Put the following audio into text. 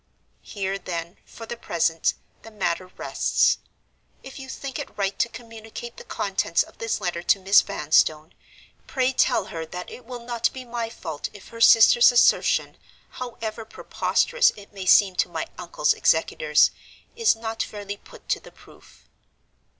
"Here then, for the present, the matter rests. If you think it right to communicate the contents of this letter to Miss Vanstone, pray tell her that it will not be my fault if her sister's assertion (however preposterous it may seem to my uncle's executors) is not fairly put to the proof.